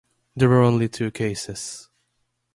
There were only two cases.